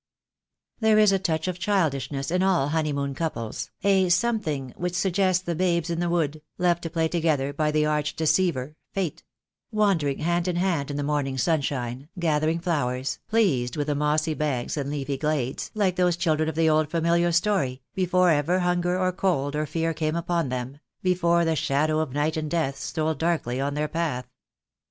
There is a touch of childishness in all honeymoon couples, a something which suggests the Babes in the Wood, left to play together by the Arch Deceiver, Fate; wandering hand in hand in the morning sunshine, gather ing flowers, pleased with the mossy banks and leafy glades, like those children of the old familiar story, be fore ever hunger or cold or fear came upon them, before the shadow of night and death stole darkly on their path.